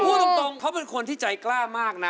พูดตรงเขาเป็นคนที่ใจกล้ามากนะ